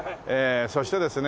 そしてですね